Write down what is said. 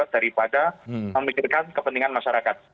daripada memikirkan kepentingan masyarakat